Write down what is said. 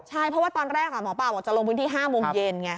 ใช่เพราะว่าตอนแรกหมอปลาบอกจะลงพื้นที่๕โมงเย็นไง